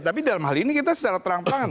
tapi dalam hal ini kita secara terang terangan